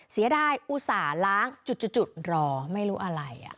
เสียดายอุตส่าห์ล้างจุดรอไม่รู้อะไร